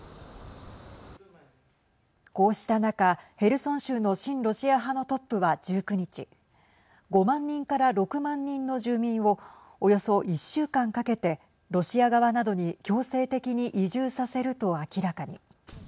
こうした中、ヘルソン州の親ロシア派のトップは１９日５万人から６万人の住民をおよそ１週間かけてロシア側などに強制的に移住させると明らかに。